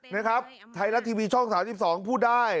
นะครับไทยรัฐทีวีช่อง๓๒พูดได้